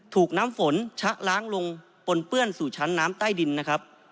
ถูกน้ำฝนชะล้างลงปนเปื้อนสู่ชั้นน้ำใต้ดินนะครับ